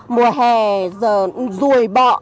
mùa hè rùi bọ